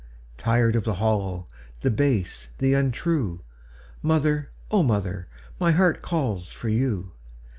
Tired of the hollow, the base, the untrue, Mother, O mother, my heart calls for you!